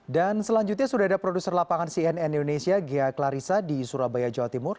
dan selanjutnya sudah ada produser lapangan cnn indonesia gia klarisa di surabaya jawa timur